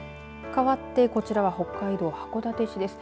かわってこちらは北海道函館市です。